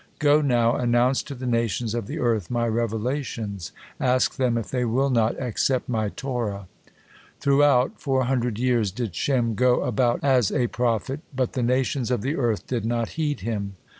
Go now, announce to the nations of the earth My revelations, ask them if they will not accept My Torah." Throughout four hundred years did Shem go about as a prophet, but the nations of the earth did not heed him.